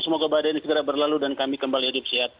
semoga badan ini segera berlalu dan kami kembali hidup sehat